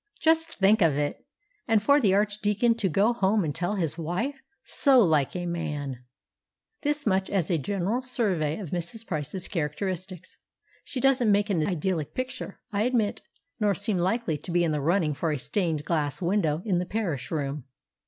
Just think of it! And for the Archdeacon to go home and tell his wife! So like a man! This much as a general survey of Mrs. Price's characteristics. She doesn't make an idyllic picture, I admit, nor seem likely to be in the running for a stained glass window in the Parish Room.